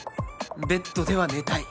ベッドでは寝たい！